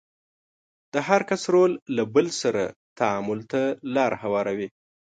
د هر کس رول له بل سره تعامل ته لار هواروي.